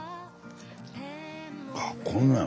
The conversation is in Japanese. あっこんなんや。